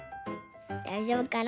だいじょうぶかな？